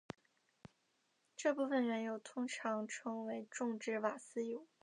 这部分原油通常称为重质瓦斯油。